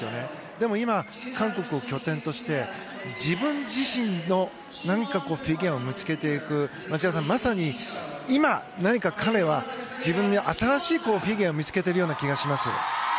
でも、今は韓国を拠点として自分自身の何かフィギュアを見つけていく町田さん、まさに今何か彼は自分で新しいフィギュアを見つけている気がします。